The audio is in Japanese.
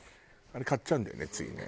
あれ買っちゃうんだよねついね。